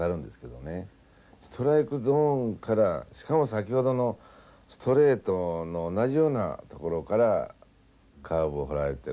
ストライクゾーンからしかも先ほどのストレートの同じようなところからカーブを放られてる。